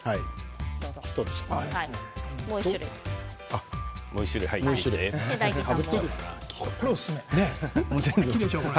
もう１種類ですか？